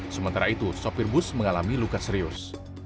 sementara itu sopir bus mengalami luka serius